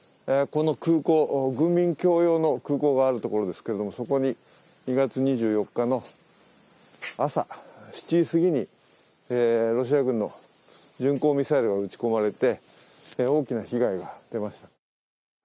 この空港、軍民共用の空港があるところですけれどもそこに２月２４日の朝７時すぎにロシア軍の巡航ミサイルが撃ち込まれて大きな被害が出ました。